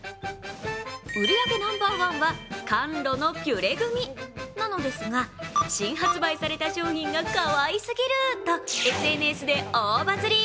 売り上げナンバーワンはカンロのピュレグミなのですが、なのですが、新発売された商品がかわいすぎるとＳＮＳで大バズり。